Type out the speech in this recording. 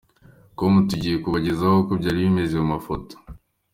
com tugiye kubagezaho uko byari bimeze mu mafoto.